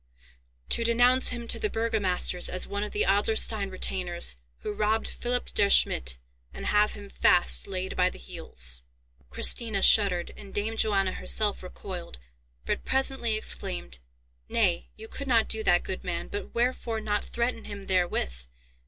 "To denounce him to the burgomasters as one of the Adlerstein retainers who robbed Philipp der Schmidt, and have him fast laid by the heels." Christina shuddered, and Dame Johanna herself recoiled; but presently exclaimed, "Nay, you could not do that, good man, but wherefore not threaten him therewith?